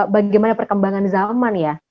bagaimana perkembangan zaman ya